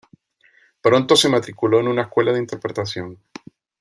Pronto se matriculó en una escuela de interpretación.